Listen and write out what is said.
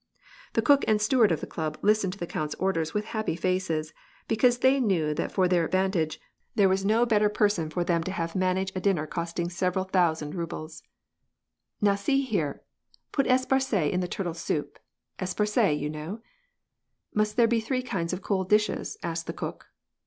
The cook and steward of the club listened to the count's orders with happy face% because they knew that for their advantage there was no bet* ■ r WAR AMD PEACE. 11 er person for them to have to manage a dinner costing several housand rabies. [" Now see here, put esparcet in the turtle soup, esparcet, ;ou know." " Must there be three kinds of cold dishes ?" asked the cook.